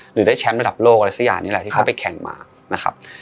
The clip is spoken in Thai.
หรือได้แชมป์ระดับโลกอะไรสักอย่างนี้แหละที่เขาไปแข่งมานะครับ